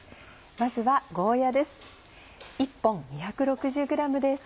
まずはゴーヤです。